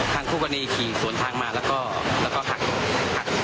ทางต์กรณีขี่สวนทางมาแล้วก็หัก